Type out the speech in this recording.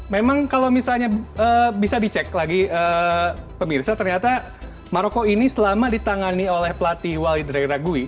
memang kalau misalnya bisa dicek lagi pemirsa ternyata maroko ini selama ditangani oleh pelatih walidrai ragui